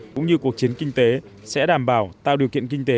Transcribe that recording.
cũng như cuộc chiến kinh tế sẽ đảm bảo tạo điều kiện kinh tế